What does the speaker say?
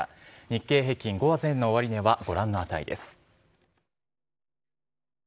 日経平均、午前の終値はご覧の値です。